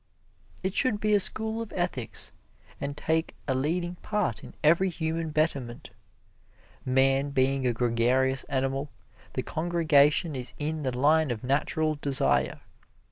It should be a school of ethics, and take a leading part in every human betterment. Man being a gregarious animal, the congregation is in the line of natural desire.